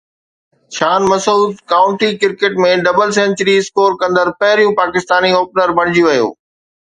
شان Masood county cricket ۾ double century score ڪندڙ پهريون پاڪستاني اوپنر بڻجي ويو